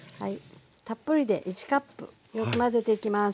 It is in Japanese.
たっぷりで１カップ混ぜていきます。